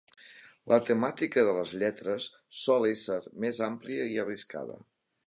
La temàtica de les lletres sol ésser més àmplia i arriscada.